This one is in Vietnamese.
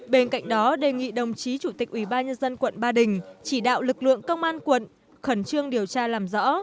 bên cạnh đó đề nghị đồng chí chủ tịch ubnd quận ba đình chỉ đạo lực lượng công an quận khẩn trương điều tra làm rõ